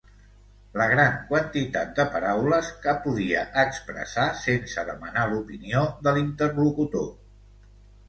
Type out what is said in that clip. La gran quantitat de paraules que podia expressar sense demanar l'opinió de l'interlocutor.